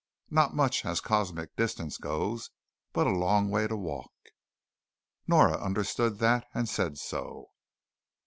Not much as cosmic distance goes, but a long way to walk." Nora understood that, and said so.